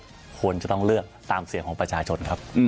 ควรจะต้องเลือกตามเสียงของประชาชนครับ